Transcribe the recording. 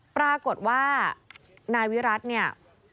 ปรากฏว่านายวิรัติเนี่ย